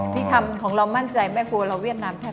ที่ทำของเรามั่นใจแม่ครัวเราเวียดนามแทบ